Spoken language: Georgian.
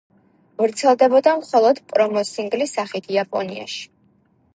ვრცელდებოდა მხოლოდ პრომო სინგლის სახით, იაპონიაში.